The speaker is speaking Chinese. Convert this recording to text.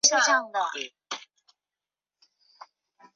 开元二十五年去世。